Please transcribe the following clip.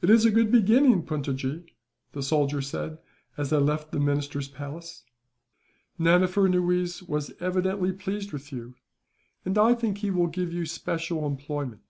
"It is a good beginning, Puntojee," the soldier said, as they left the minister's palace. "Nana Furnuwees was evidently pleased with you, and I think he will give you special employment.